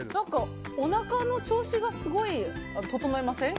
おなかの調子がすごい整いません？